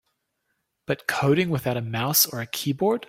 But coding without a mouse or a keyboard?